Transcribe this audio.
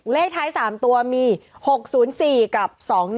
เลขท้าย๓ตัวมี๖๐๔กับ๒๑